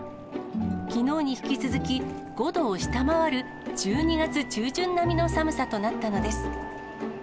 きのうに引き続き、５度を下回る１２月中旬並みの寒さとなったのです。